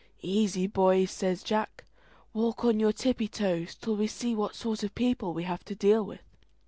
"Easy, boys!" says Jack: "walk on your tippy toes till we see what sort of people we have to deal with."